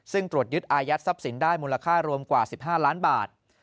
ซึ่งตรวจยึดอายัดทรัพย์สินได้มูลค่ารวมกว่า๑๕ล้านบาท